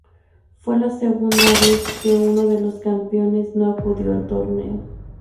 Fue la segunda vez que uno de los campeones no acudió al torneo.